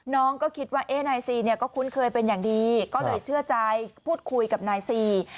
น้องก็คิดว่าเอ๊ะนายซีเนี่ยก็คุ้นเคยเป็นอย่างดีก็เลยเชื่อใจพูดคุยกับนายซี